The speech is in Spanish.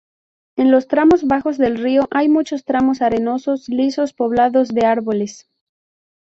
En los tramos bajos del río, hay muchos tramos arenosos lisos poblados de árboles.